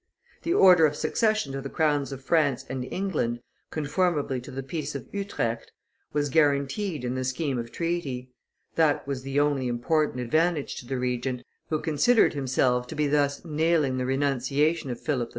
The order of succession to the crowns of France and England, conformably to the peace of Utrecht, was guaranteed in the scheme of treaty; that was the only important advantage to the Regent, who considered himself to be thus nailing the renunciation of Philip V.